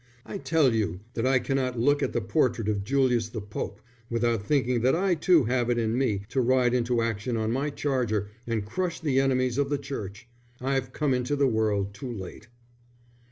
I tell you that I cannot look at the portrait of Julius the Pope without thinking that I too have it in me to ride into action on my charger and crush the enemies of the Church. I've come into the world too late."